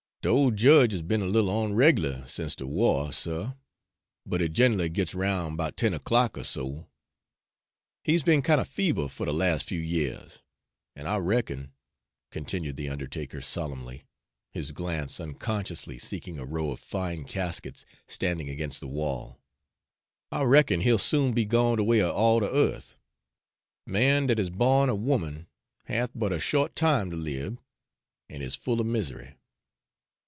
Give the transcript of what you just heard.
"De ole jedge has be'n a little onreg'lar sence de wah, suh; but he gin'ally gits roun' 'bout ten o'clock er so. He's be'n kin' er feeble fer de las' few yeahs. An' I reckon," continued the undertaker solemnly, his glance unconsciously seeking a row of fine caskets standing against the wall, "I reckon he'll soon be goin' de way er all de earth. 'Man dat is bawn er 'oman hath but a sho't time ter lib, an' is full er mis'ry.